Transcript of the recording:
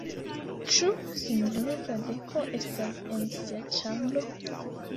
Ĉu sinjoro Fradeko estas en sia ĉambro?